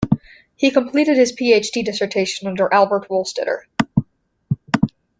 He completed his PhD dissertation under Albert Wohlstetter.